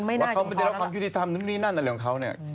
ว่าเขาไม่ได้รับความยุติธรรมนั่นของเขาเนี่ย